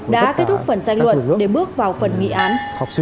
đã kết thúc phần tranh luận để bước vào phần nghị án